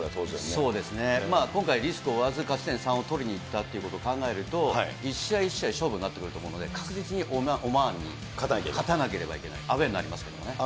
そうですね、今回リスクを負わず勝ち点３を取りにいったということを考えると、一試合一試合勝負になってくると思いますので、確実にオマーンに勝たなければいけない、アウエーになりますけどね。